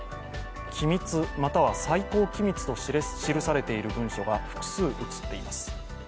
「機密」または「最高機密」と記されている文書が複数写っています。